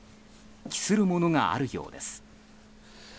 期するものがあるようです。